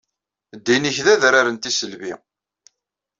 Ddin-ik d adrar n tisselbi.